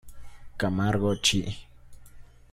Camargo Chih.